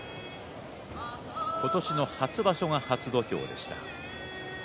今年の初場所が初土俵でした。